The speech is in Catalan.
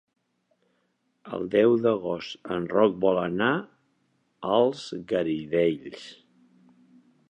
El deu d'agost en Roc vol anar als Garidells.